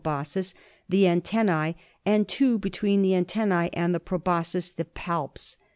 "••«»<•• boscis — the antennae ; and two between the antennae and the proboscis — the palps.